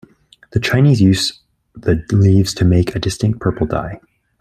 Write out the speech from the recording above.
The Chinese use the leaves to make a distinctive purple dye.